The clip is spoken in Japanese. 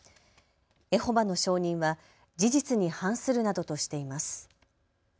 エホバの証人は事実に反するなどとしています。